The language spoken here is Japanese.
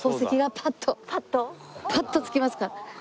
パッとつきますから。